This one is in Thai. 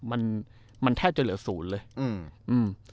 มันมันแทบจะเหลือศูนย์เลยอืมอืม